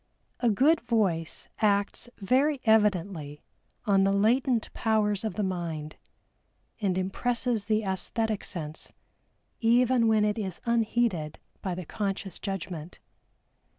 A good voice acts very evidently on the latent powers of the mind, and impresses the æsthetic sense, even when it is unheeded by the conscious judgment.